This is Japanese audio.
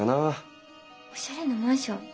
おしゃれなマンション？